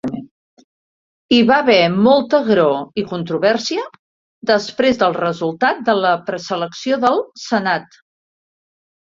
Hi va haver molta agror i controvèrsia després del resultat de la preselecció del Senat.